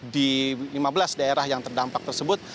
di lima belas daerah yang terdampak tersebut